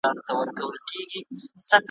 چي سړی پر لاپو شاپو وو راغلی ,